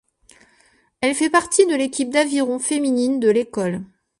Elle fait partie de l'équipe d'aviron féminine de l'école.